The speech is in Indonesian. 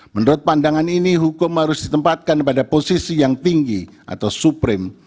menurut pandangan ini hukum harus ditempatkan pada posisi yang tinggi atau supreme